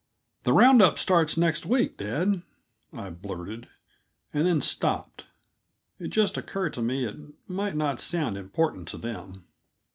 "The round up starts next week, dad," I blurted, and then stopped. It just occurred to me that it might not sound important to them.